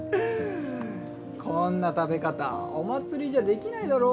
こんな食べ方お祭りじゃできないだろ。